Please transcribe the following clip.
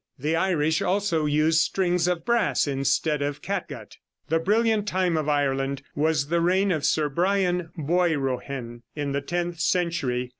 The Irish also used strings of brass instead of catgut." The brilliant time of Ireland was the reign of Sir Brian Boirohen, in the tenth century.